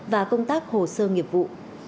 và công tác hồ sơ nghiệp vụ